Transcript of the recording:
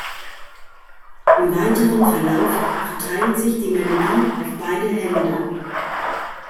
Im weiteren Verlauf verteilt sich die Melodie auf beide Hände.